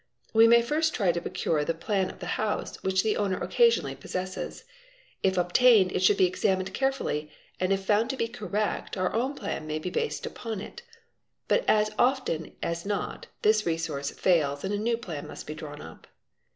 We may first try 4 to procure the plan of the house, which the owner occasionally possesses. P* Hf obtained, it should be examined carefully, and if found to be correct, our | own plan may be based upon it. But as often as not this resource fails ind a new plan must be drawn up.